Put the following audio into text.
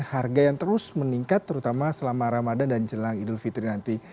harga yang terus meningkat terutama selama ramadan dan jelang idul fitri nanti